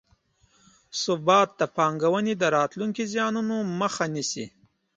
ثبات د پانګونې د راتلونکو زیانونو مخه نیسي.